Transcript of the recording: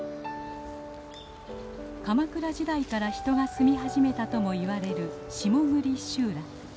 鎌倉時代から人が住み始めたともいわれる下栗集落。